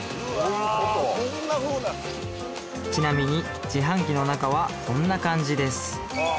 ちなみに自販機の中はこんな感じです